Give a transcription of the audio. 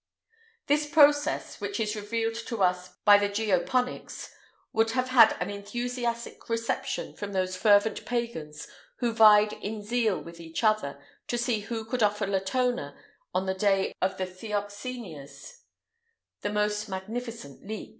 [IX 151] This process, which is revealed to us by the geoponics, would have had an enthusiastic reception from those fervent pagans who vied in zeal with each other, to see who could offer Latona, on the day of the Theoxenias, the most magnificent leek.